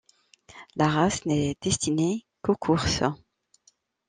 La race n'est destinée qu'aux courses.